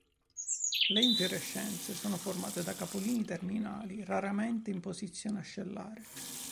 Le infiorescenze sono formate da capolini terminali, raramente in posizione ascellare.